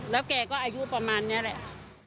แล้วแกก็อายุประมาณนี้แหละ